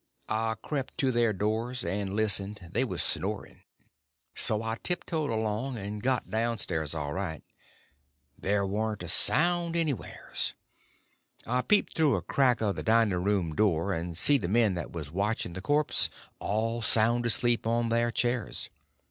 I crept to their doors and listened; they was snoring. So I tiptoed along, and got down stairs all right. There warn't a sound anywheres. I peeped through a crack of the dining room door, and see the men that was watching the corpse all sound asleep on their chairs.